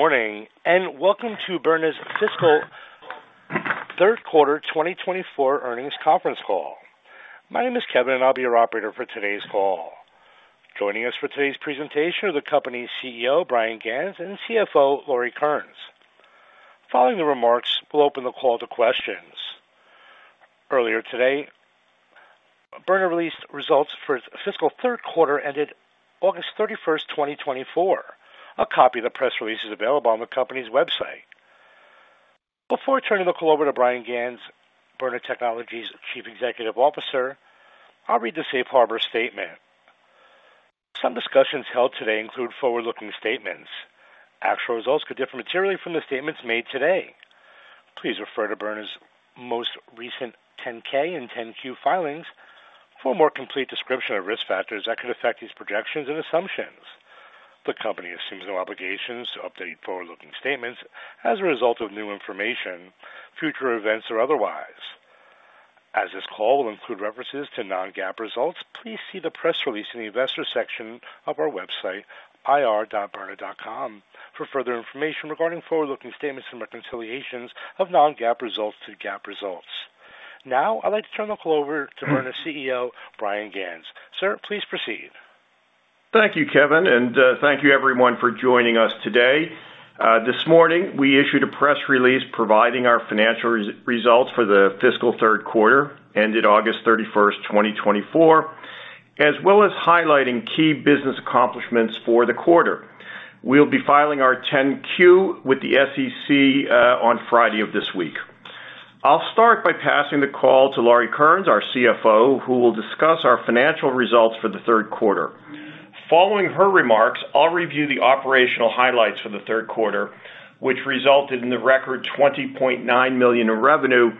Good morning, and welcome to Byrna's Fiscal Third Quarter 2024 Earnings Conference Call. My name is Kevin, and I'll be your operator for today's call. Joining us for today's presentation are the company's CEO, Bryan Ganz, and CFO, Lauri Kearnes. Following the remarks, we'll open the call to questions. Earlier today, Byrna released results for its fiscal third quarter, ended August 31st, 2024. A copy of the press release is available on the company's website. Before turning the call over to Bryan Ganz, Byrna Technologies' Chief Executive Officer, I'll read the safe harbor statement. Some discussions held today include forward-looking statements. Actual results could differ materially from the statements made today. Please refer to Byrna's most recent 10-K and 10-Q filings for a more complete description of risk factors that could affect these projections and assumptions. The company assumes no obligations to update forward-looking statements as a result of new information, future events or otherwise. As this call will include references to non-GAAP results, please see the press release in the investor section of our website, ir.byrna.com, for further information regarding forward-looking statements and reconciliations of non-GAAP results to GAAP results. Now, I'd like to turn the call over to Byrna's CEO, Bryan Ganz. Sir, please proceed. Thank you, Kevin, and, thank you everyone for joining us today. This morning, we issued a press release providing our financial results for the fiscal third quarter, ended August 31st, 2024, as well as highlighting key business accomplishments for the quarter. We'll be filing our 10-Q with the SEC, on Friday of this week. I'll start by passing the call to Lauri Kearnes, our CFO, who will discuss our financial results for the third quarter. Following her remarks, I'll review the operational highlights for the third quarter, which resulted in the record $20.9 million in revenue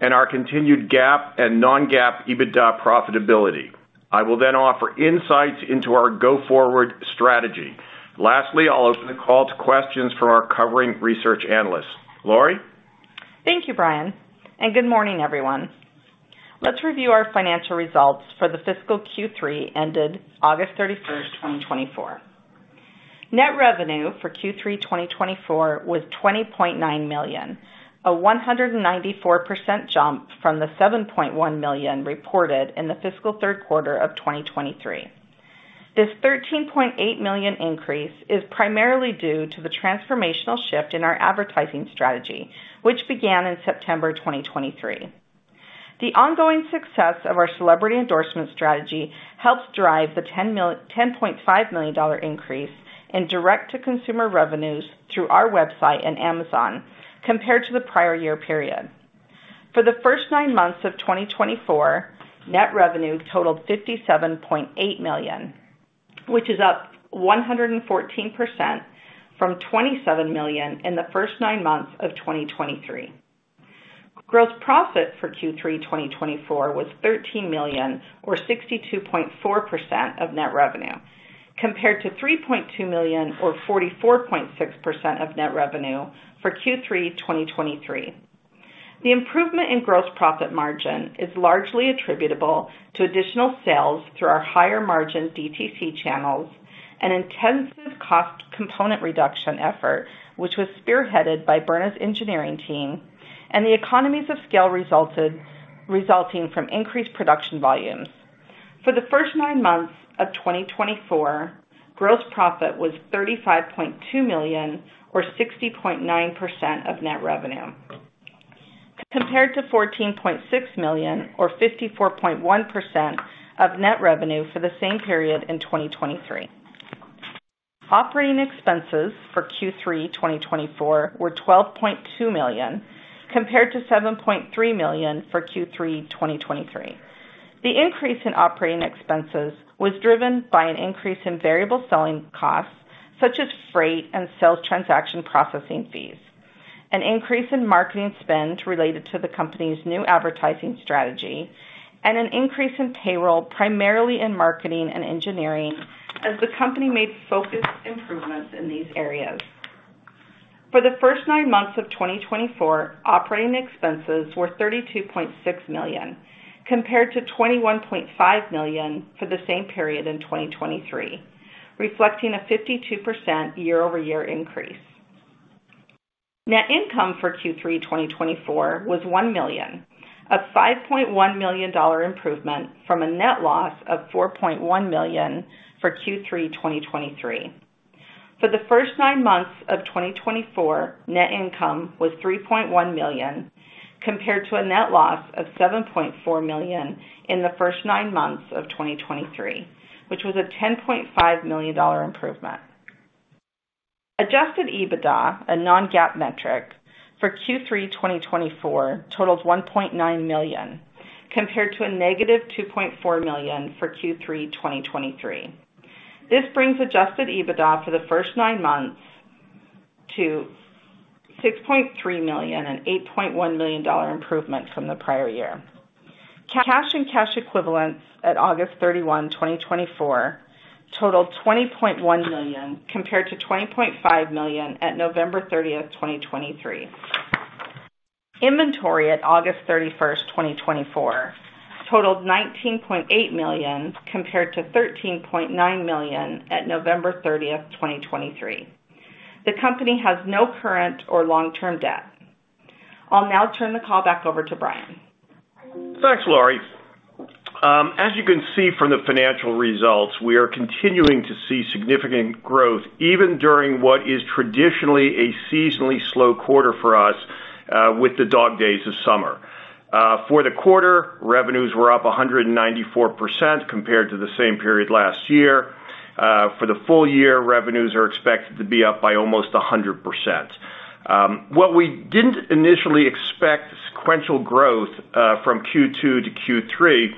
and our continued GAAP and non-GAAP EBITDA profitability. I will then offer insights into our go-forward strategy. Lastly, I'll open the call to questions from our covering research analysts. Lauri? Thank you, Bryan, and good morning, everyone. Let's review our financial results for the fiscal Q3, ended August 31st, 2024. Net revenue for Q3 2024 was $20.9 million, a 194% jump from the $7.1 million reported in the fiscal third quarter of 2023. This $13.8 million increase is primarily due to the transformational shift in our advertising strategy, which began in September 2023. The ongoing success of our celebrity endorsement strategy helped drive the $10.5 million increase in direct-to-consumer revenues through our website and Amazon, compared to the prior year period. For the first nine months of 2024, net revenue totaled $57.8 million, which is up 114% from $27 million in the first nine months of 2023. Gross profit for Q3 2024 was $13 million, or 62.4% of net revenue, compared to $3.2 million, or 44.6% of net revenue for Q3 2023. The improvement in gross profit margin is largely attributable to additional sales through our higher-margin DTC channels and intensive cost component reduction effort, which was spearheaded by Byrna's engineering team, and the economies of scale resulting from increased production volumes. For the first nine months of 2024, gross profit was $35.2 million or 60.9% of net revenue, compared to $14.6 million or 54.1% of net revenue for the same period in 2023. Operating expenses for Q3 2024 were $12.2 million, compared to $7.3 million for Q3 2023. The increase in operating expenses was driven by an increase in variable selling costs, such as freight and sales transaction processing fees, an increase in marketing spend related to the company's new advertising strategy, and an increase in payroll, primarily in marketing and engineering, as the company made focused improvements in these areas. For the first nine months of 2024, operating expenses were $32.6 million, compared to $21.5 million for the same period in 2023, reflecting a 52% year-over-year increase. Net income for Q3 2024 was $1 million, a $5.1 million improvement from a net loss of $4.1 million for Q3 2023. For the first nine months of 2024, net income was $3.1 million, compared to a net loss of $7.4 million in the first nine months of 2023, which was a $10.5 million improvement. Adjusted EBITDA, a non-GAAP metric for Q3 2024, totals $1.9 million, compared to a negative $2.4 million for Q3 2023. This brings adjusted EBITDA for the first nine months to $6.3 million, an $8.1 million improvement from the prior year. Cash and cash equivalents at August 31, 2024, totaled $20.1 million, compared to $20.5 million at November 30th, 2023. Inventory at August 31st, 2024, totaled $19.8 million, compared to $13.9 million at November 30th, 2023. The company has no current or long-term debt. I'll now turn the call back over to Bryan. Thanks, Lauri. As you can see from the financial results, we are continuing to see significant growth, even during what is traditionally a seasonally slow quarter for us, with the dog days of summer. For the quarter, revenues were up 194% compared to the same period last year. For the full year, revenues are expected to be up by almost 100%. What we didn't initially expect, sequential growth, from Q2 to Q3,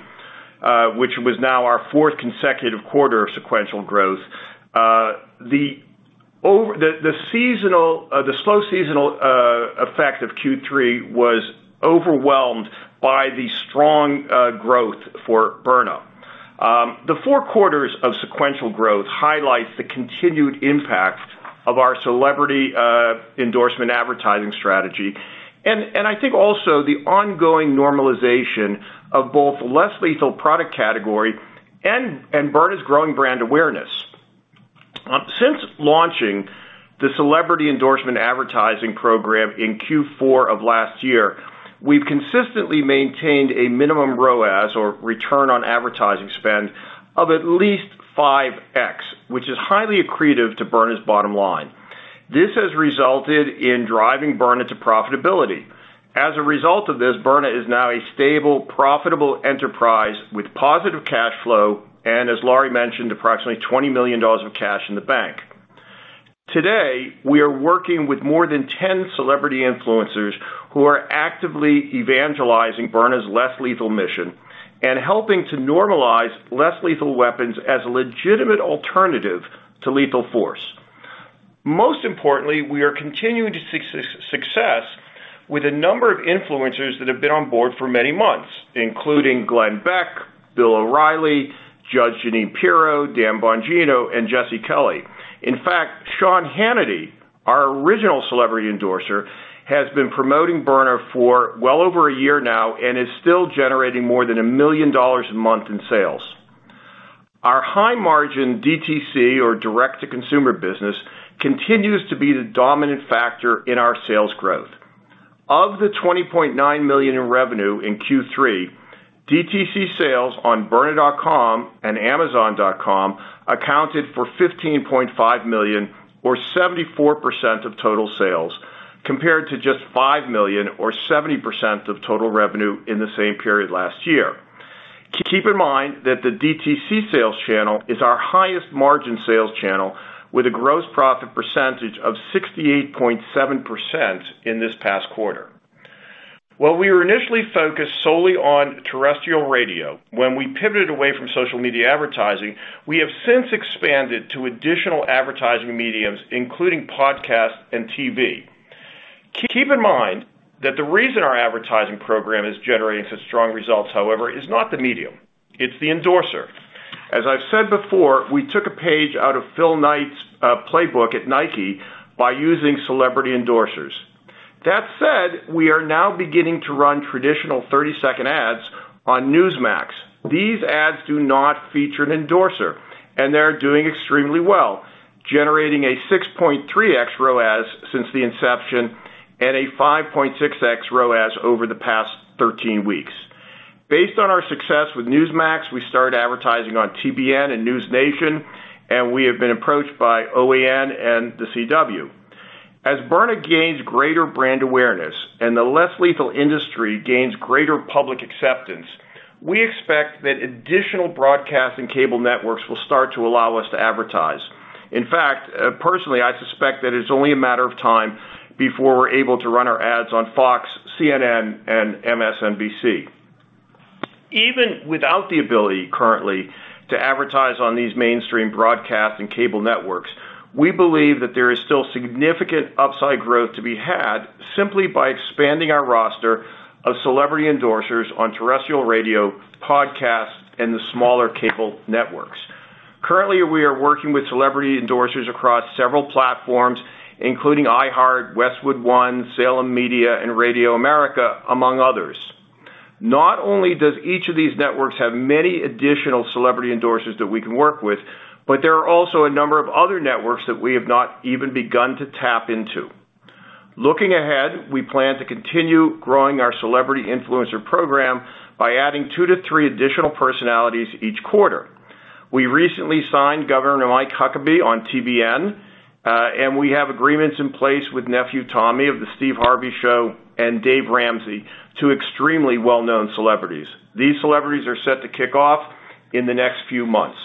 which was now our fourth consecutive quarter of sequential growth. The slow seasonal effect of Q3 was overwhelmed by the strong growth for Byrna. The four quarters of sequential growth highlights the continued impact of our celebrity endorsement advertising strategy, and I think also the ongoing normalization of both less lethal product category and Byrna's growing brand awareness. Since launching the celebrity endorsement advertising program in Q4 of last year, we've consistently maintained a minimum ROAS, or return on advertising spend, of at least five x, which is highly accretive to Byrna's bottom line. This has resulted in driving Byrna to profitability. As a result of this, Byrna is now a stable, profitable enterprise with positive cash flow, and as Lauri mentioned, approximately $20 million of cash in the bank. Today, we are working with more than 10 celebrity influencers who are actively evangelizing Byrna's less lethal mission and helping to normalize less lethal weapons as a legitimate alternative to lethal force. Most importantly, we are continuing to see success with a number of influencers that have been on board for many months, including Glenn Beck, Bill O'Reilly, Judge Jeanine Pirro, Dan Bongino, and Jesse Kelly. In fact, Sean Hannity, our original celebrity endorser, has been promoting Byrna for well over a year now and is still generating more than $1 million a month in sales. Our high-margin DTC, or direct-to-consumer business, continues to be the dominant factor in our sales growth. Of the $20.9 million in revenue in Q3, DTC sales on byrna.com and amazon.com accounted for $15.5 million, or 74% of total sales, compared to just $5 million or 70% of total revenue in the same period last year. Keep in mind that the DTC sales channel is our highest margin sales channel, with a gross profit percentage of 68.7% in this past quarter. While we were initially focused solely on terrestrial radio, when we pivoted away from social media advertising, we have since expanded to additional advertising mediums, including podcasts and TV. Keep in mind that the reason our advertising program is generating such strong results, however, is not the medium, it's the endorser. As I've said before, we took a page out of Phil Knight's playbook at Nike by using celebrity endorsers. That said, we are now beginning to run traditional 30-second ads on Newsmax. These ads do not feature an endorser, and they're doing extremely well, generating a 6.3x ROAS since the inception and a 5.6x ROAS over the past 13 weeks. Based on our success with Newsmax, we started advertising on TBN and NewsNation, and we have been approached by OAN and The CW. As Byrna gains greater brand awareness and the less lethal industry gains greater public acceptance, we expect that additional broadcast and cable networks will start to allow us to advertise. In fact, personally, I suspect that it's only a matter of time before we're able to run our ads on Fox, CNN, and MSNBC. Even without the ability currently to advertise on these mainstream broadcast and cable networks, we believe that there is still significant upside growth to be had simply by expanding our roster of celebrity endorsers on terrestrial radio, podcasts, and the smaller cable networks. Currently, we are working with celebrity endorsers across several platforms, including iHeart, Westwood One, Salem Media, and Radio America, among others. Not only does each of these networks have many additional celebrity endorsers that we can work with, but there are also a number of other networks that we have not even begun to tap into. Looking ahead, we plan to continue growing our celebrity influencer program by adding two to three additional personalities each quarter. We recently signed Governor Mike Huckabee on TBN, and we have agreements in place with Nephew Tommy of The Steve Harvey Show and Dave Ramsey, two extremely well-known celebrities. These celebrities are set to kick off in the next few months.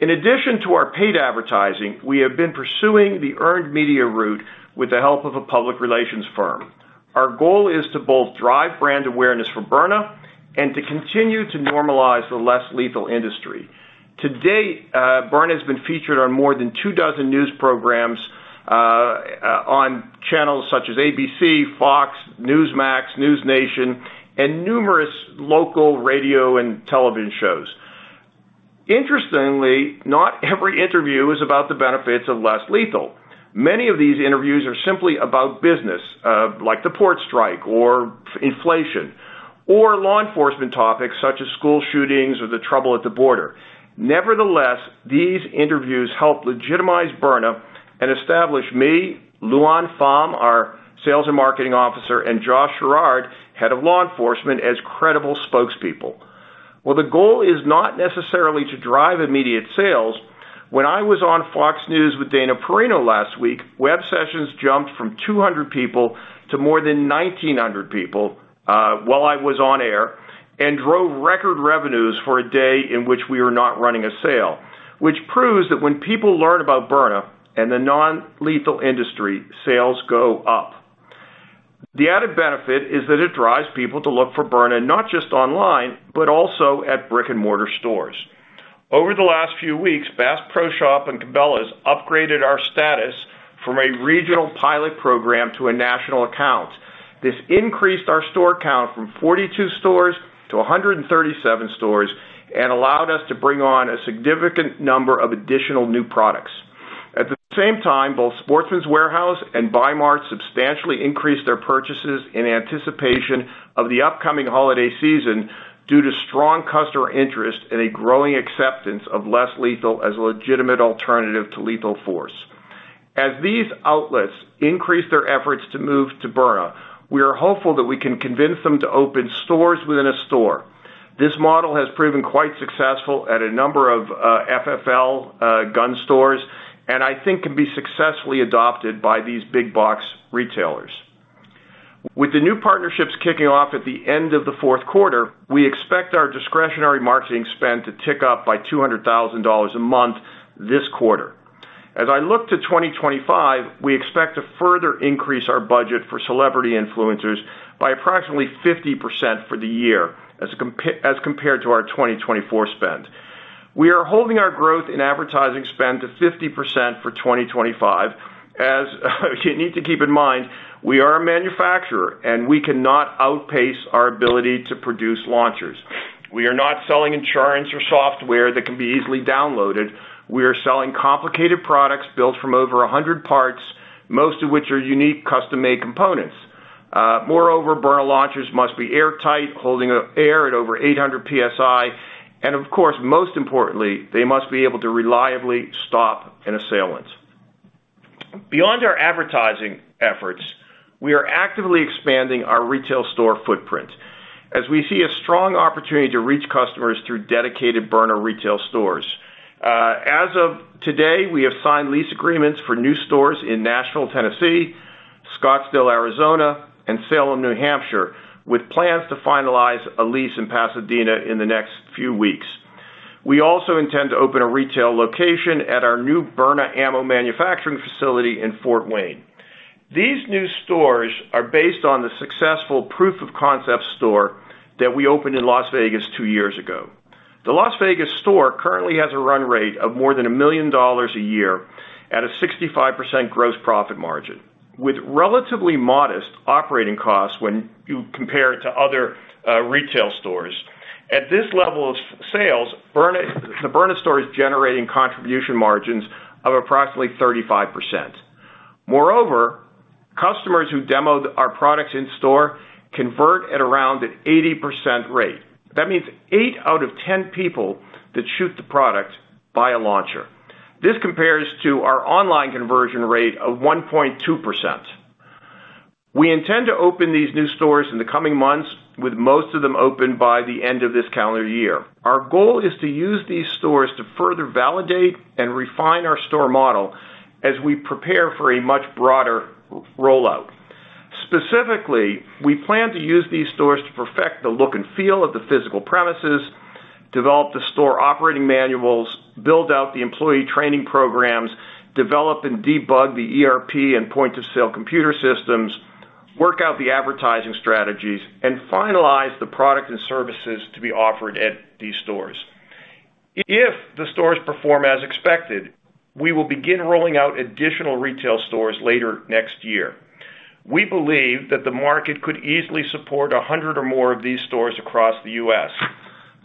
In addition to our paid advertising, we have been pursuing the earned media route with the help of a public relations firm. Our goal is to both drive brand awareness for Byrna and to continue to normalize the less lethal industry. To date, Byrna has been featured on more than two dozen news programs, on channels such as ABC, Fox, Newsmax, NewsNation, and numerous local radio and television shows. Interestingly, not every interview is about the benefits of less-lethal. Many of these interviews are simply about business, like the port strike or inflation, or law enforcement topics such as school shootings or the trouble at the border. Nevertheless, these interviews help legitimize Byrna and establish me, Luan Pham, our Sales and Marketing Officer, and Josh Gerrard, Head of Law Enforcement, as credible spokespeople. Well, the goal is not necessarily to drive immediate sales. When I was on Fox News with Dana Perino last week, web sessions jumped from 200 people to more than 1,900 people while I was on air, and drove record revenues for a day in which we were not running a sale, which proves that when people learn about Byrna and the non-lethal industry, sales go up. The added benefit is that it drives people to look for Byrna not just online, but also at brick-and-mortar stores. Over the last few weeks, Bass Pro Shops and Cabela's upgraded our status from a regional pilot program to a national account. This increased our store count from 42 stores to 137 stores and allowed us to bring on a significant number of additional new products. At the same time, both Sportsman's Warehouse and Bi-Mart substantially increased their purchases in anticipation of the upcoming holiday season due to strong customer interest and a growing acceptance of less-lethal as a legitimate alternative to lethal force. As these outlets increase their efforts to move to Byrna, we are hopeful that we can convince them to open stores within a store. This model has proven quite successful at a number of FFL gun stores, and I think can be successfully adopted by these big box retailers. With the new partnerships kicking off at the end of the fourth quarter, we expect our discretionary marketing spend to tick up by $200,000 a month this quarter. As I look to 2025, we expect to further increase our budget for celebrity influencers by approximately 50% for the year as compared to our 2024 spend. We are holding our growth in advertising spend to 50% for 2025, as you need to keep in mind, we are a manufacturer, and we cannot outpace our ability to produce launchers. We are not selling insurance or software that can be easily downloaded. We are selling complicated products built from over a 100 parts, most of which are unique, custom-made components. Moreover, Byrna launchers must be airtight, holding air at over 800 PSI, and of course, most importantly, they must be able to reliably stop an assailant. Beyond our advertising efforts, we are actively expanding our retail store footprint as we see a strong opportunity to reach customers through dedicated Byrna retail stores. As of today, we have signed lease agreements for new stores in Nashville, Tennessee, Scottsdale, Arizona, and Salem, New Hampshire, with plans to finalize a lease in Pasadena in the next few weeks. We also intend to open a retail location at our new Byrna ammo manufacturing facility in Fort Wayne. These new stores are based on the successful proof of concept store that we opened in Las Vegas two years ago. The Las Vegas store currently has a run rate of more than $1 million a year at a 65% gross profit margin, with relatively modest operating costs when you compare it to other retail stores. At this level of sales, Byrna, the Byrna store is generating contribution margins of approximately 35%. Moreover, customers who demoed our products in store convert at around an 80% rate. That means eight out of ten people that shoot the product buy a launcher. This compares to our online conversion rate of 1.2%. We intend to open these new stores in the coming months, with most of them open by the end of this calendar year. Our goal is to use these stores to further validate and refine our store model as we prepare for a much broader rollout. Specifically, we plan to use these stores to perfect the look and feel of the physical premises, develop the store operating manuals, build out the employee training programs, develop and debug the ERP and point-of-sale computer systems, work out the advertising strategies, and finalize the product and services to be offered at these stores. If the stores perform as expected, we will begin rolling out additional retail stores later next year. We believe that the market could easily support a 100 or more of these stores across the U.S.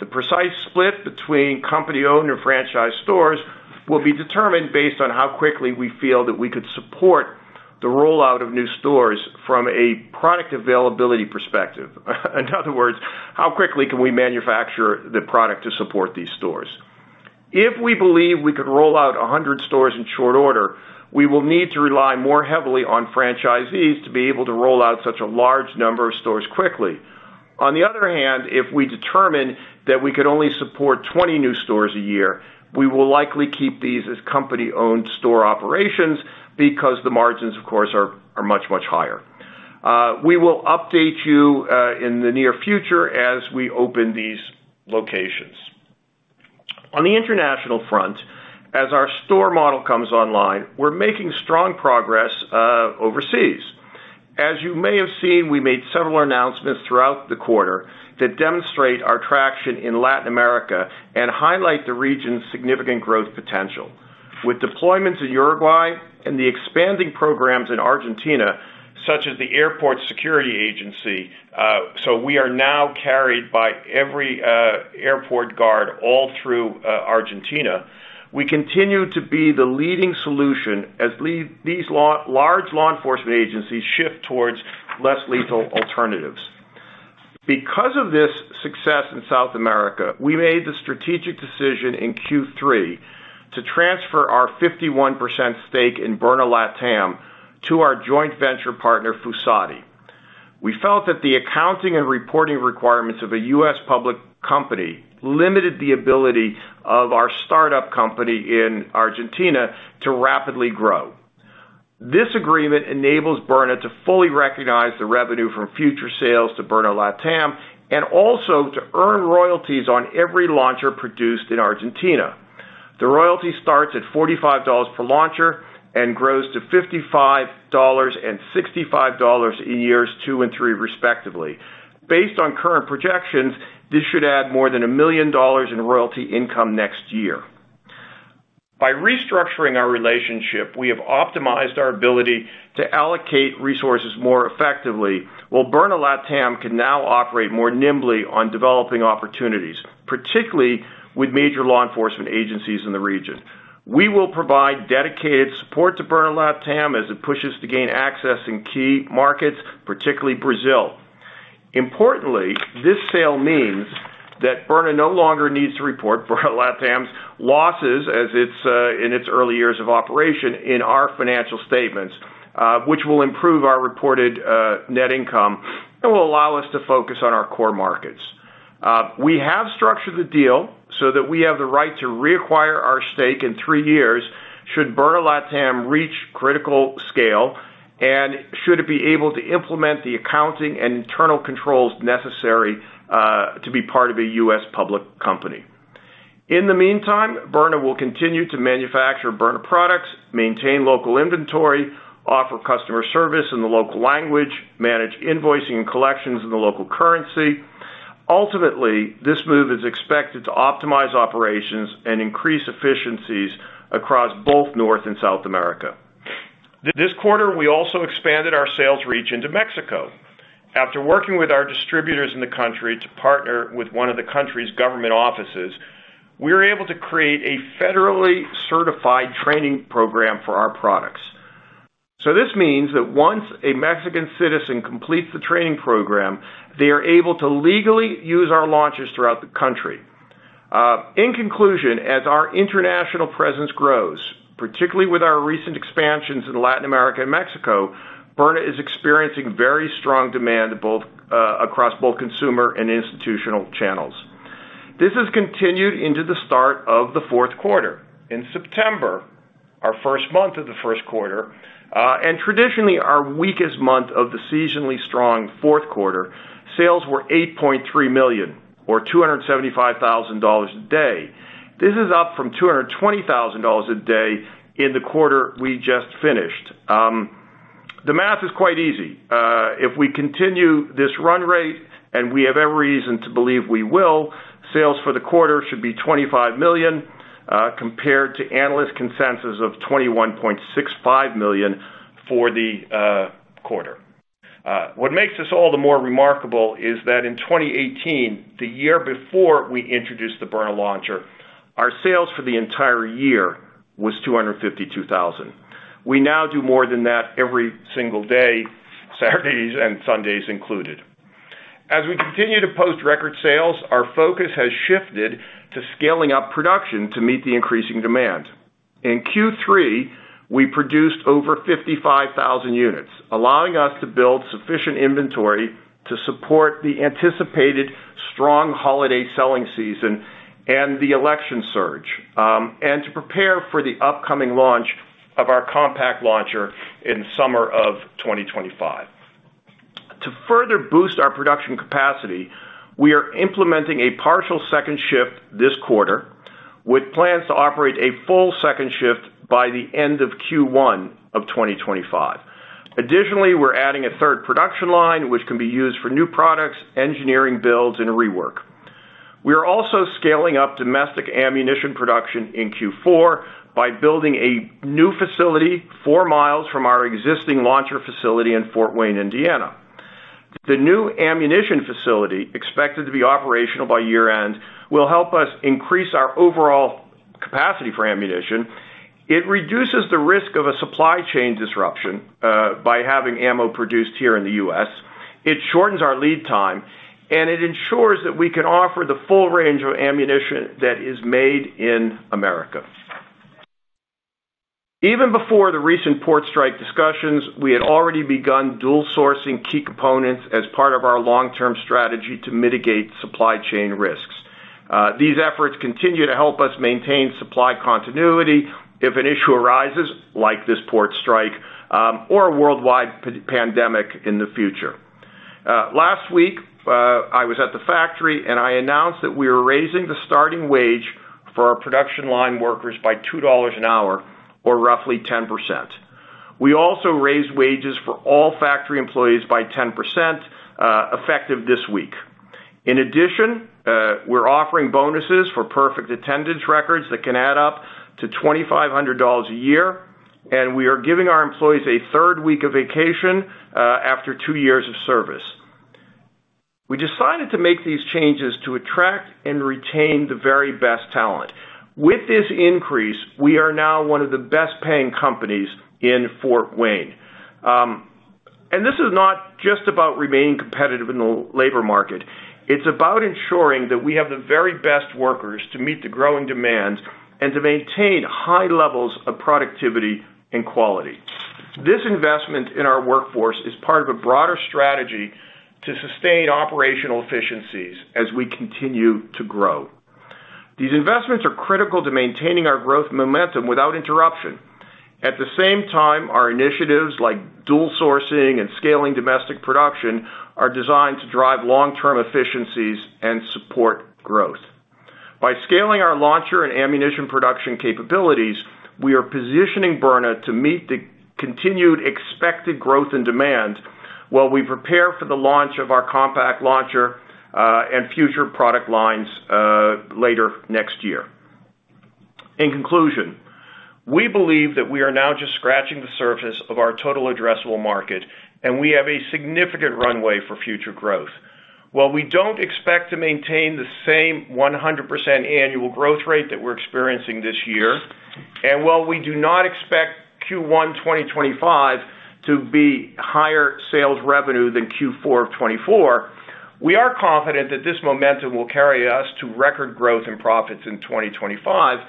The precise split between company-owned or franchise stores will be determined based on how quickly we feel that we could support the rollout of new stores from a product availability perspective. In other words, how quickly can we manufacture the product to support these stores. If we believe we could roll out a 100 stores in short order, we will need to rely more heavily on franchisees to be able to roll out such a large number of stores quickly. On the other hand, if we determine that we could only support 20 new stores a year, we will likely keep these as company-owned store operations because the margins, of course, are, are much, much higher. We will update you in the near future as we open these locations. On the international front, as our store model comes online, we're making strong progress overseas. As you may have seen, we made several announcements throughout the quarter that demonstrate our traction in Latin America and highlight the region's significant growth potential. With deployments in Uruguay and the expanding programs in Argentina-... such as the Airport Security Police, so we are now carried by every airport guard all through Argentina. We continue to be the leading solution as these large law enforcement agencies shift towards less lethal alternatives. Because of this success in South America, we made the strategic decision in Q3 to transfer our 51% stake in Byrna Latam to our joint venture partner, Fusati. We felt that the accounting and reporting requirements of a U.S. public company limited the ability of our startup company in Argentina to rapidly grow. This agreement enables Byrna to fully recognize the revenue from future sales to Byrna Latam, and also to earn royalties on every launcher produced in Argentina. The royalty starts at $45 per launcher and grows to $55 and $65 in years two and three, respectively. Based on current projections, this should add more than $1 million in royalty income next year. By restructuring our relationship, we have optimized our ability to allocate resources more effectively, while Byrna Latam can now operate more nimbly on developing opportunities, particularly with major law enforcement agencies in the region. We will provide dedicated support to Byrna Latam as it pushes to gain access in key markets, particularly Brazil. Importantly, this sale means that Byrna no longer needs to report Byrna Latam's losses as its in its early years of operation in our financial statements, which will improve our reported net income and will allow us to focus on our core markets. We have structured the deal so that we have the right to reacquire our stake in three years should Byrna Latam reach critical scale, and should it be able to implement the accounting and internal controls necessary, to be part of a U.S. public company. In the meantime, Byrna will continue to manufacture Byrna products, maintain local inventory, offer customer service in the local language, manage invoicing and collections in the local currency. Ultimately, this move is expected to optimize operations and increase efficiencies across both North and South America. This quarter, we also expanded our sales reach into Mexico. After working with our distributors in the country to partner with one of the country's government offices, we were able to create a federally certified training program for our products. So this means that once a Mexican citizen completes the training program, they are able to legally use our launchers throughout the country. In conclusion, as our international presence grows, particularly with our recent expansions in Latin America and Mexico, Byrna is experiencing very strong demand both, across both consumer and institutional channels. This has continued into the start of the fourth quarter. In September, our first month of the first quarter, and traditionally, our weakest month of the seasonally strong fourth quarter, sales were $8.3 million, or $275,000 a day. This is up from $220,000 a day in the quarter we just finished. The math is quite easy. If we continue this run rate, and we have every reason to believe we will, sales for the quarter should be $25 million, compared to analyst consensus of $21.65 million for the quarter. What makes this all the more remarkable is that in 2018, the year before we introduced the Byrna Launcher, our sales for the entire year was $252,000. We now do more than that every single day, Saturdays and Sundays included. As we continue to post record sales, our focus has shifted to scaling up production to meet the increasing demand. In Q3, we produced over 55,000 units, allowing us to build sufficient inventory to support the anticipated strong holiday selling season and the election surge, and to prepare for the upcoming launch of our compact launcher in summer of 2025. To further boost our production capacity, we are implementing a partial second shift this quarter, with plans to operate a full second shift by the end of Q1 of 2025. Additionally, we're adding a third production line, which can be used for new products, engineering builds, and rework. We are also scaling up domestic ammunition production in Q4 by building a new facility four miles from our existing launcher facility in Fort Wayne, Indiana. The new ammunition facility, expected to be operational by year-end, will help us increase our overall capacity for ammunition. It reduces the risk of a supply chain disruption by having ammo produced here in the U.S. It shortens our lead time, and it ensures that we can offer the full range of ammunition that is made in America. Even before the recent port strike discussions, we had already begun dual sourcing key components as part of our long-term strategy to mitigate supply chain risks. These efforts continue to help us maintain supply continuity if an issue arises, like this port strike, or a worldwide pandemic in the future. Last week, I was at the factory, and I announced that we are raising the starting wage for our production line workers by $2 an hour, or roughly 10%. We also raised wages for all factory employees by 10%, effective this week. In addition, we're offering bonuses for perfect attendance records that can add up to $2,500 a year, and we are giving our employees a third week of vacation, after two years of service. We decided to make these changes to attract and retain the very best talent. With this increase, we are now one of the best-paying companies in Fort Wayne, and this is not just about remaining competitive in the labor market. It's about ensuring that we have the very best workers to meet the growing demands and to maintain high levels of productivity and quality. This investment in our workforce is part of a broader strategy to sustain operational efficiencies as we continue to grow. These investments are critical to maintaining our growth momentum without interruption. At the same time, our initiatives, like dual sourcing and scaling domestic production, are designed to drive long-term efficiencies and support growth. By scaling our launcher and ammunition production capabilities, we are positioning Byrna to meet the continued expected growth and demand while we prepare for the launch of our compact launcher, and future product lines, later next year. In conclusion, we believe that we are now just scratching the surface of our total addressable market, and we have a significant runway for future growth. While we don't expect to maintain the same 100% annual growth rate that we're experiencing this year, and while we do not expect Q1 2025 to be higher sales revenue than Q4 of 2024, we are confident that this momentum will carry us to record growth and profits in 2025,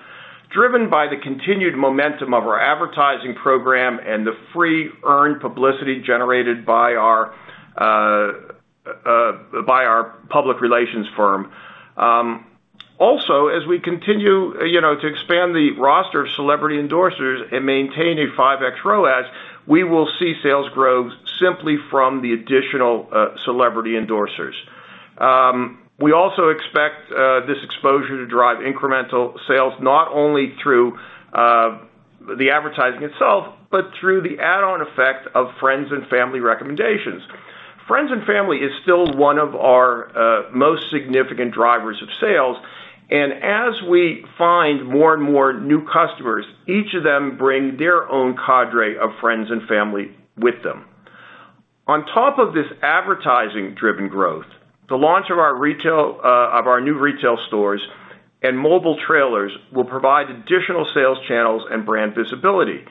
driven by the continued momentum of our advertising program and the free earned publicity generated by our public relations firm. Also, as we continue, you know, to expand the roster of celebrity endorsers and maintain a 5x ROAS, we will see sales grow simply from the additional celebrity endorsers. We also expect this exposure to drive incremental sales, not only through the advertising itself, but through the add-on effect of friends and family recommendations. Friends and family is still one of our most significant drivers of sales, and as we find more and more new customers, each of them bring their own cadre of friends and family with them. On top of this advertising-driven growth, the launch of our new retail stores and mobile trailers will provide additional sales channels and brand visibility.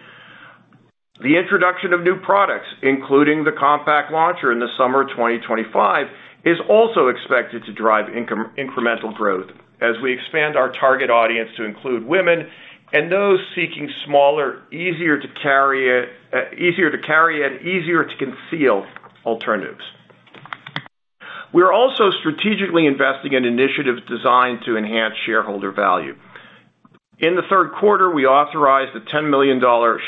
The introduction of new products, including the compact launcher in the summer of 2025, is also expected to drive incremental growth as we expand our target audience to include women and those seeking smaller, easier to carry and easier to conceal alternatives. We are also strategically investing in initiatives designed to enhance shareholder value. In the third quarter, we authorized a $10 million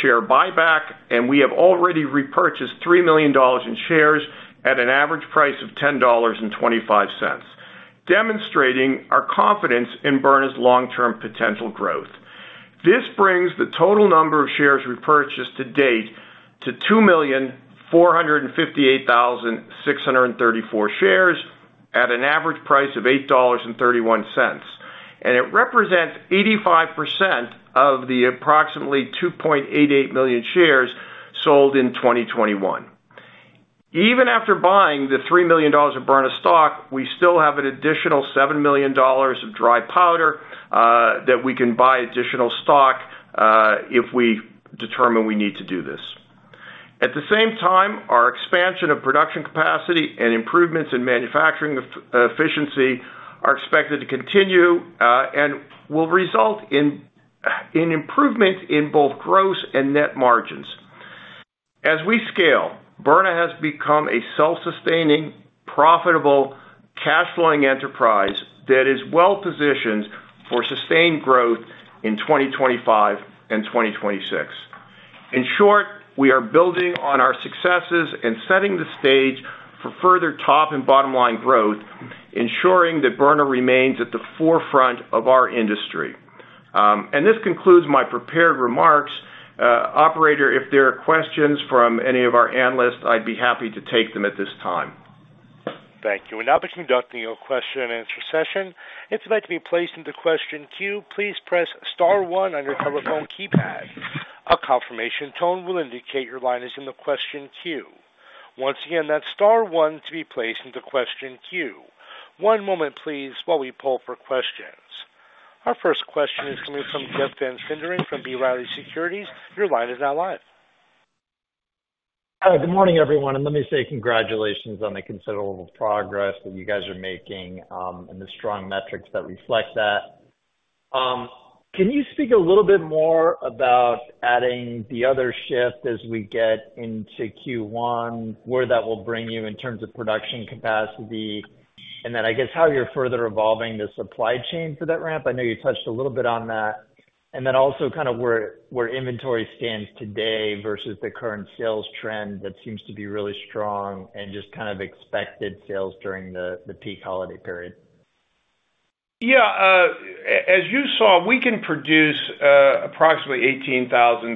share buyback, and we have already repurchased $3 million in shares at an average price of $10.25, demonstrating our confidence in Byrna's long-term potential growth. This brings the total number of shares repurchased to date to two million 458,634 shares at an average price of $8.31. It represents 85% of the approximately 2.88 million shares sold in 2021. Even after buying the $3 million of Byrna stock, we still have an additional $7 million of dry powder that we can buy additional stock if we determine we need to do this. At the same time, our expansion of production capacity and improvements in manufacturing efficiency are expected to continue and will result in improvement in both gross and net margins. As we scale, Byrna has become a self-sustaining, profitable, cash-flowing enterprise that is well positioned for sustained growth in 2025 and 2026. In short, we are building on our successes and setting the stage for further top and bottom line growth, ensuring that Byrna remains at the forefront of our industry. And this concludes my prepared remarks. Operator, if there are questions from any of our analysts, I'd be happy to take them at this time. Thank you. We'll now be conducting your question and answer session. If you'd like to be placed into question queue, please press star one on your telephone keypad. A confirmation tone will indicate your line is in the question queue. Once again, that's star one to be placed into question queue. One moment, please, while we pull for questions. Our first question is coming from Jeff Van Sinderen from B. Riley Securities. Your line is now live. Hi, good morning, everyone, and let me say congratulations on the considerable progress that you guys are making, and the strong metrics that reflect that. Can you speak a little bit more about adding the other shift as we get into Q1, where that will bring you in terms of production capacity? And then, I guess, how you're further evolving the supply chain for that ramp. I know you touched a little bit on that. And then also kind of where inventory stands today versus the current sales trend that seems to be really strong and just kind of expected sales during the peak holiday period.... Yeah, as you saw, we can produce approximately 18,000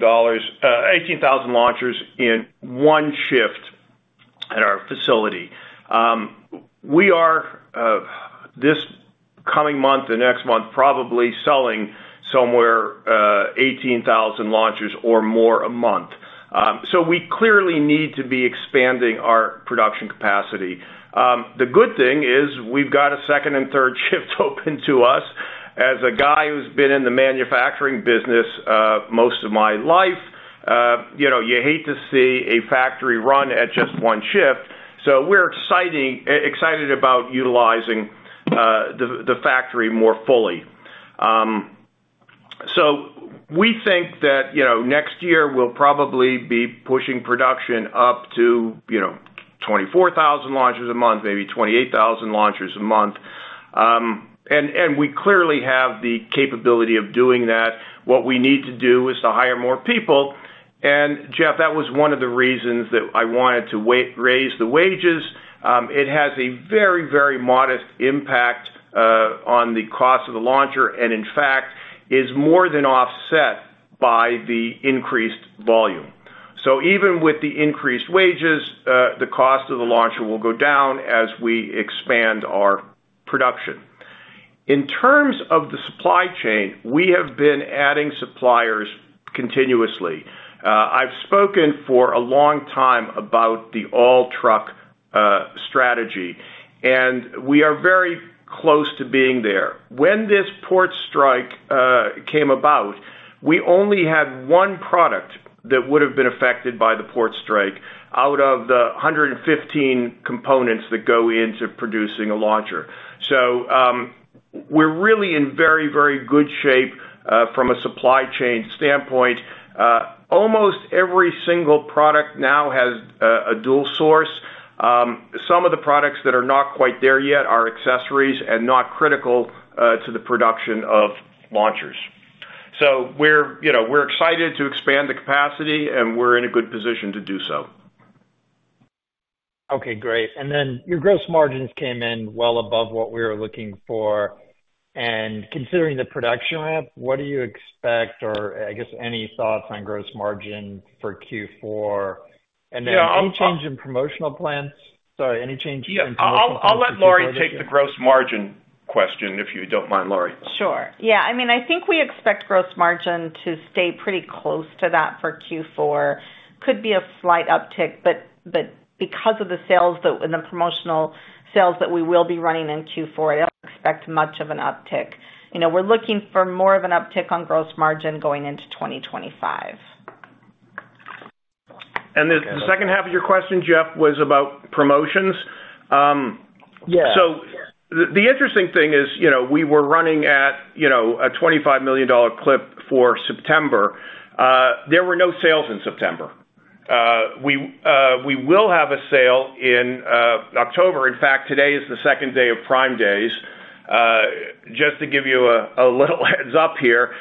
launchers in one shift at our facility. We are this coming month, the next month, probably selling somewhere 18,000 launchers or more a month. So we clearly need to be expanding our production capacity. The good thing is we've got a second and third shift open to us. As a guy who's been in the manufacturing business most of my life, you know, you hate to see a factory run at just one shift, so we're excited about utilizing the factory more fully. So we think that, you know, next year we'll probably be pushing production up to, you know, 24,000 launchers a month, maybe 28,000 launchers a month. And we clearly have the capability of doing that. What we need to do is to hire more people, and Jeff, that was one of the reasons that I wanted to raise the wages. It has a very, very modest impact on the cost of the launcher, and in fact, is more than offset by the increased volume. So even with the increased wages, the cost of the launcher will go down as we expand our production. In terms of the supply chain, we have been adding suppliers continuously. I've spoken for a long time about the all truck strategy, and we are very close to being there. When this port strike came about, we only had one product that would have been affected by the port strike, out of the 115 components that go into producing a launcher. So, we're really in very, very good shape from a supply chain standpoint. Almost every single product now has a dual source. Some of the products that are not quite there yet are accessories and not critical to the production of launchers. So we're, you know, we're excited to expand the capacity, and we're in a good position to do so. Okay, great. And then your gross margins came in well above what we were looking for. And considering the production ramp, what do you expect, or I guess, any thoughts on gross margin for Q4? And then any change in promotional plans? Sorry, any change in- Yeah. I'll, I'll let Lauri take the gross margin question, if you don't mind, Lauri. Sure. Yeah, I mean, I think we expect gross margin to stay pretty close to that for Q4. Could be a slight uptick, but because of the sales and the promotional sales that we will be running in Q4, I don't expect much of an uptick. You know, we're looking for more of an uptick on gross margin going into 2025. The second half of your question, Jeff, was about promotions? Yes. So the interesting thing is, you know, we were running at, you know, a $25 million clip for September. There were no sales in September. We will have a sale in October. In fact, today is the second day of Prime Days. Just to give you a little heads up here,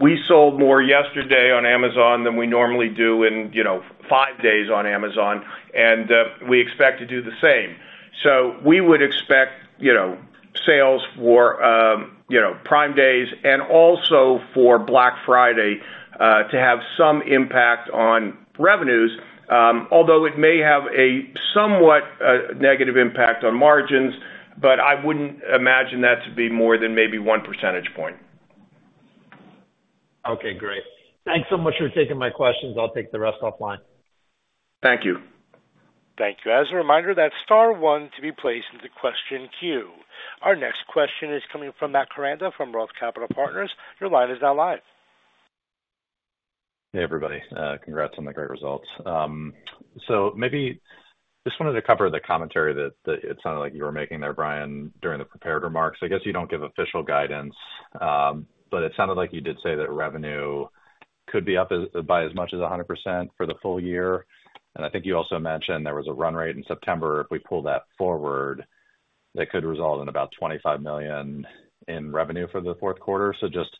we sold more yesterday on Amazon than we normally do in, you know, five days on Amazon, and we expect to do the same. So we would expect, you know, sales for Prime Days and also for Black Friday to have some impact on revenues, although it may have a somewhat negative impact on margins, but I wouldn't imagine that to be more than maybe one percentage point. Okay, great. Thanks so much for taking my questions. I'll take the rest offline. Thank you. Thank you. As a reminder, that's star one to be placed into question queue. Our next question is coming from Matt Koranda, from Roth Capital Partners. Your line is now live. Hey, everybody. Congrats on the great results. So maybe just wanted to cover the commentary that it sounded like you were making there, Bryan, during the prepared remarks. I guess you don't give official guidance, but it sounded like you did say that revenue could be up by as much as 100% for the full year, and I think you also mentioned there was a run rate in September. If we pull that forward, that could result in about $25 million in revenue for the fourth quarter. So just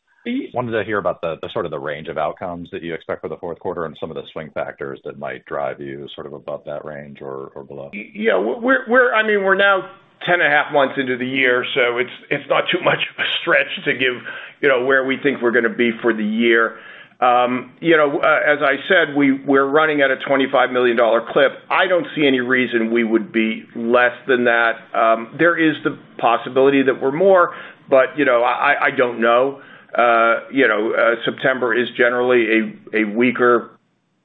wanted to hear about the sort of the range of outcomes that you expect for the fourth quarter and some of the swing factors that might drive you sort of above that range or below. Yeah, we're now ten and a half months into the year, so it's not too much of a stretch to give, you know, where we think we're gonna be for the year. As I said, we're running at a $25 million clip. I don't see any reason we would be less than that. There is the possibility that we're more, but, you know, I don't know. September is generally a weaker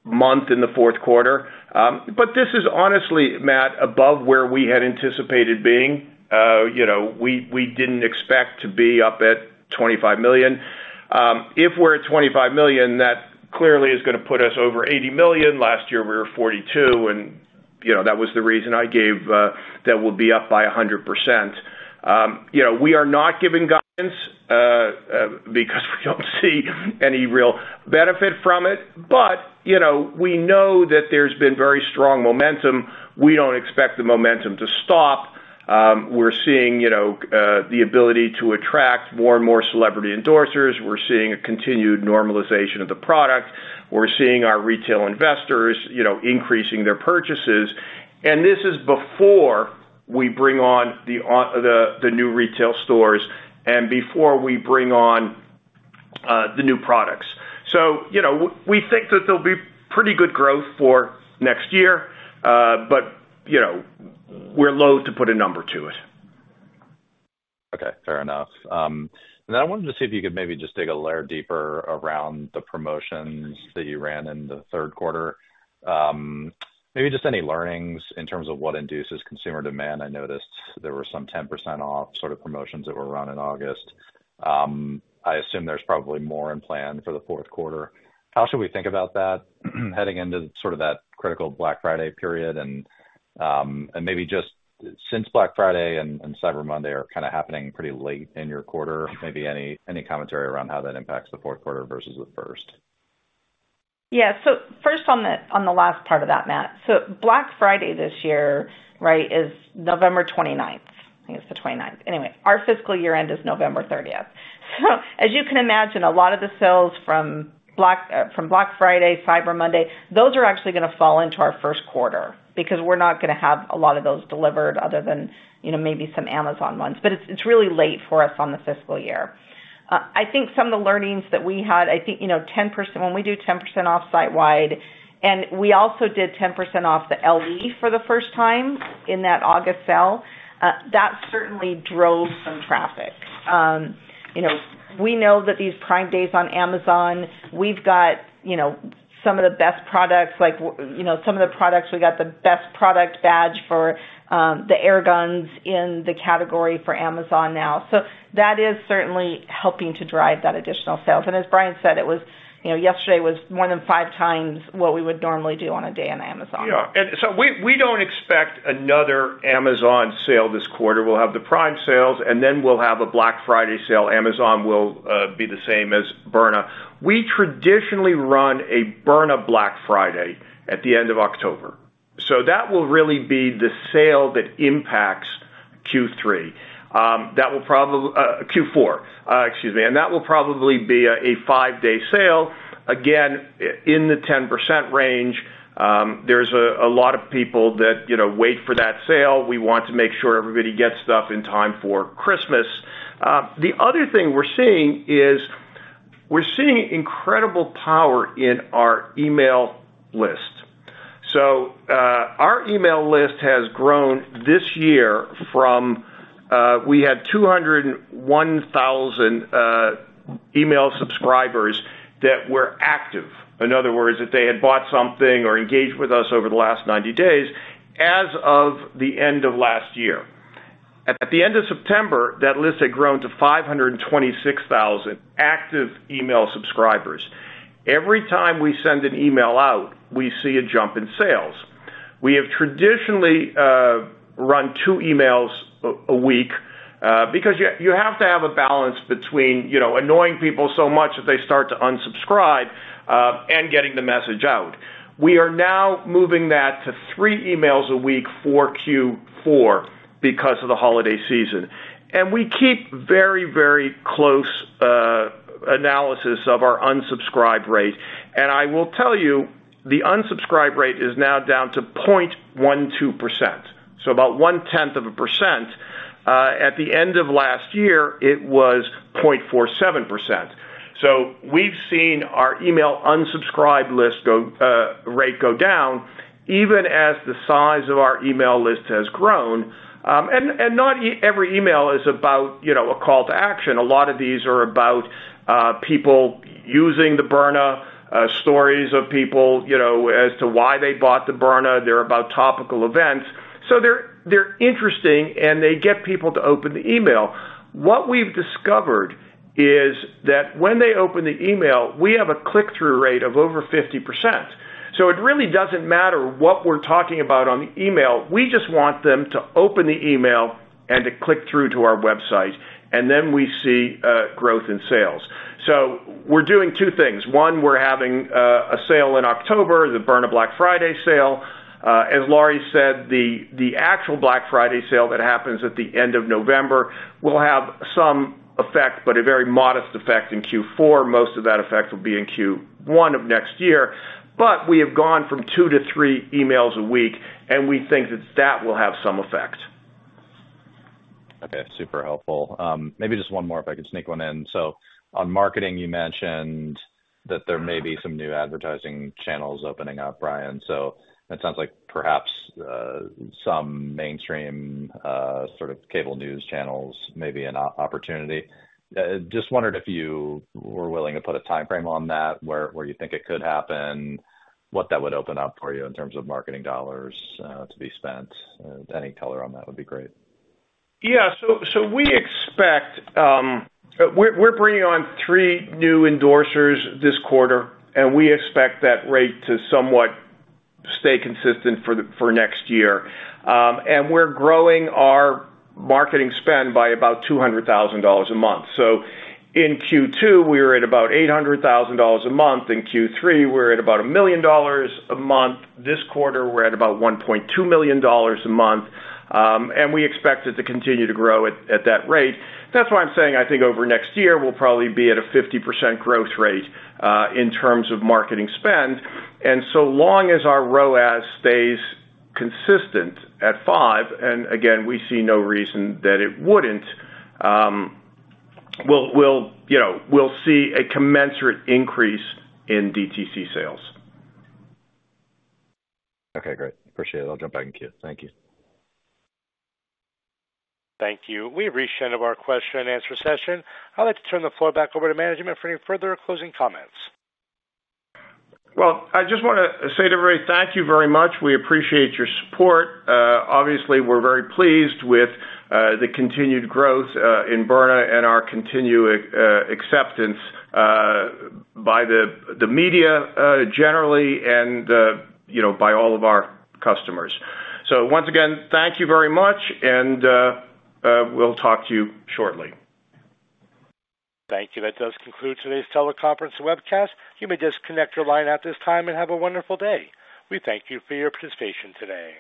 month in the fourth quarter. But this is honestly, Matt, above where we had anticipated being. We didn't expect to be up at $25 million. If we're at $25 million, that clearly is gonna put us over $80 million. Last year, we were 42, and, you know, that was the reason I gave that we'll be up by 100%. You know, we are not giving guidance because we don't see any real benefit from it, but, you know, we know that there's been very strong momentum. We don't expect the momentum to stop. We're seeing, you know, the ability to attract more and more celebrity endorsers. We're seeing a continued normalization of the product. We're seeing our retail investors, you know, increasing their purchases. And this is before we bring on the new retail stores and before we bring on the new products. So, you know, we think that there'll be pretty good growth for next year, but, you know, we're loathe to put a number to it. Okay, fair enough. Then I wanted to see if you could maybe just dig a layer deeper around the promotions that you ran in the third quarter. Maybe just any learnings in terms of what induces consumer demand. I noticed there were some 10% off sort of promotions that were run in August. I assume there's probably more in plan for the fourth quarter. How should we think about that, heading into sort of that critical Black Friday period? Maybe just since Black Friday and Cyber Monday are kind of happening pretty late in your quarter, maybe any commentary around how that impacts the fourth quarter versus the first. Yeah. So first, on the last part of that, Matt, Black Friday this year, right, is November 29th. I think it's the twenty-ninth. Anyway, our fiscal year end is November 30th. So as you can imagine, a lot of the sales from Black Friday, Cyber Monday, those are actually gonna fall into our first quarter because we're not gonna have a lot of those delivered other than, you know, maybe some Amazon ones. But it's really late for us on the fiscal year. I think some of the learnings that we had, I think, you know, 10% when we do 10% off sitewide, and we also did 10% off the LE for the first time in that August sale, that certainly drove some traffic. You know, we know that these Prime days on Amazon, we've got, you know, some of the best products, like, you know, some of the products, we got the best product badge for, the air guns in the category for Amazon now. So that is certainly helping to drive that additional sales. And as Bryan said, it was, you know, yesterday was more than five times what we would normally do on a day on Amazon. Yeah, and so we don't expect another Amazon sale this quarter. We'll have the Prime sales, and then we'll have a Black Friday sale. Amazon will be the same as Byrna. We traditionally run a Byrna Black Friday at the end of October, so that will really be the sale that impacts Q3. That will probably Q4, excuse me. And that will probably be a five-day sale, again, in the 10% range. There's a lot of people that, you know, wait for that sale. We want to make sure everybody gets stuff in time for Christmas. The other thing we're seeing is, we're seeing incredible power in our email list. So, our email list has grown this year from, we had 201,000 email subscribers that were active. In other words, that they had bought something or engaged with us over the last ninety days as of the end of last year. At the end of September, that list had grown to 526,000 active email subscribers. Every time we send an email out, we see a jump in sales. We have traditionally run two emails a week because you have to have a balance between, you know, annoying people so much that they start to unsubscribe and getting the message out. We are now moving that to three emails a week for Q4 because of the holiday season. We keep very, very close analysis of our unsubscribe rate. I will tell you, the unsubscribe rate is now down to 0.12%, so about one-10th of a percent. At the end of last year, it was 0.47%. So we've seen our email unsubscribe rate go down, even as the size of our email list has grown. And not every email is about, you know, a call to action. A lot of these are about people using the Byrna, stories of people, you know, as to why they bought the Byrna. They're about topical events, so they're interesting, and they get people to open the email. What we've discovered is that when they open the email, we have a click-through rate of over 50%. So it really doesn't matter what we're talking about on the email. We just want them to open the email and to click through to our website, and then we see growth in sales. So we're doing two things: One, we're having a sale in October, the Byrna Black Friday sale. As Lauri said, the actual Black Friday sale that happens at the end of November will have some effect, but a very modest effect in Q4. Most of that effect will be in Q1 of next year, but we have gone from two to three emails a week, and we think that that will have some effect. Okay, super helpful. Maybe just one more, if I could sneak one in. So on marketing, you mentioned that there may be some new advertising channels opening up, Bryan, so it sounds like perhaps some mainstream sort of cable news channels may be an opportunity. Just wondered if you were willing to put a timeframe on that, where you think it could happen, what that would open up for you in terms of marketing dollars to be spent? Any color on that would be great. Yeah, so we expect. We're bringing on three new endorsers this quarter, and we expect that rate to somewhat stay consistent for next year. We're growing our marketing spend by about $200,000 a month, so in Q2 we were at about $800,000 a month. In Q3, we're at about $1 million a month. This quarter, we're at about $1.2 million a month, and we expect it to continue to grow at that rate. That's why I'm saying I think over next year, we'll probably be at a 50% growth rate in terms of marketing spend, and so long as our ROAS stays consistent at five, and again, we see no reason that it wouldn't, you know, we'll see a commensurate increase in DTC sales. Okay, great. Appreciate it. I'll jump back in queue. Thank you. Thank you. We've reached the end of our question and answer session. I'd like to turn the floor back over to management for any further closing comments. I just want to say to everybody, thank you very much. We appreciate your support. Obviously, we're very pleased with the continued growth in Byrna and our continued acceptance by the media generally and, you know, by all of our customers. Once again, thank you very much, and we'll talk to you shortly. Thank you. That does conclude today's teleconference webcast. You may disconnect your line at this time and have a wonderful day. We thank you for your participation today.